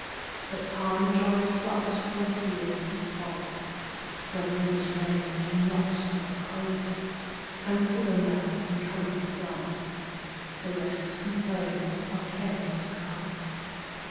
Time drives the flocks from field to fold When rivers rage and rocks grow cold, And Philomel becometh dumb; The rest complains of cares to come.